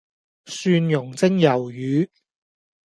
蒜茸蒸魷魚